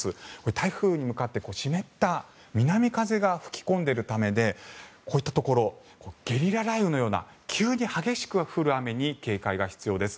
台風に向かって湿った南風が吹き込んでいるためでこういったところゲリラ雷雨のような急に激しく降る雨に警戒が必要です。